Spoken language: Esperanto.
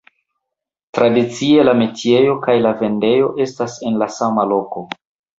Tradicie, la metiejo kaj la vendejo estas en sama loko.